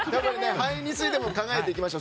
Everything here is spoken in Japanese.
敗因についても考えていきましょう。